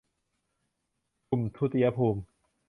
กลุ่มทุติยภูมิ